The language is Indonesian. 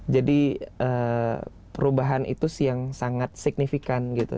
jadi perubahan itu sih yang sangat signifikan gitu